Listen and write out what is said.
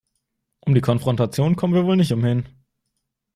Um die Konfrontation kommen wir wohl nicht umhin.